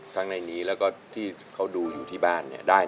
ทั้งในนี้แล้วก็ที่เขาดูอยู่ที่บ้านเนี่ยได้